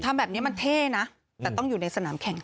ทำแบบนี้มันเท่นะแต่ต้องอยู่ในสนามแข่ง